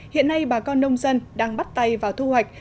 hiện nay bà con nông dân đang bắt tay vào thu hoạch